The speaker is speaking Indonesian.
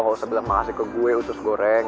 lo gak usah bilang makasih ke gue usus goreng